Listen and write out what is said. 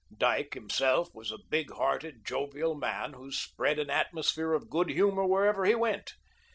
Dyke, himself, was a big hearted, jovial man who spread an atmosphere of good humour wherever he went.